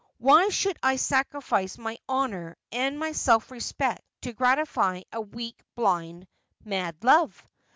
Why should I sacrifice my honour and my self respect to gratify a weak, blind, mad love